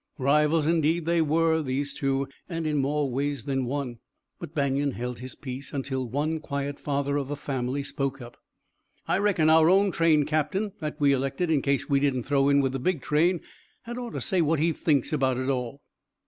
Rivals indeed they were, these two, and in more ways than one. But Banion held his peace until one quiet father of a family spoke up. "I reckon our own train captain, that we elected in case we didn't throw in with the big train, had ought to say what he thinks about it all."